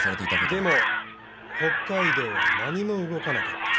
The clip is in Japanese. でも北海道は何も動かなかった。